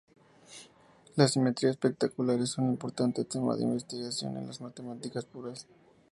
La simetría especular es un importante tema de investigación en las matemáticas puras.